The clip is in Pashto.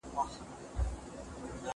کتاب به ستا په ژوند کي لوی بدلون راولي.